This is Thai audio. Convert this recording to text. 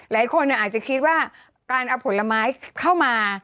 หลายคนอาจจะคิดว่าการเอาผลไม้เข้ามา